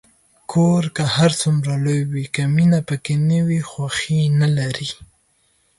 کور که هر څومره لوی وي، که مینه پکې نه وي، خوښي نلري.